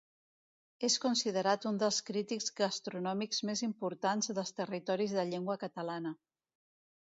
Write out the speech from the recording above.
És considerat un dels crítics gastronòmics més importants dels territoris de llengua catalana.